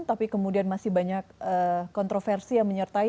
tapi kemudian masih banyak kontroversi yang menyertai